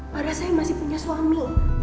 padahal saya masih punya suami